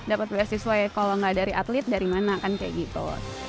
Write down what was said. dapat beasiswa ya kalau nggak dari atlet dari mana kan kayak gitu